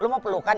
lu mau pelukan